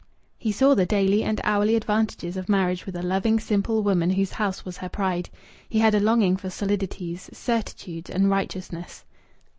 He saw the daily and hourly advantages of marriage with a loving, simple woman whose house was her pride. He had a longing for solidities, certitudes, and righteousness.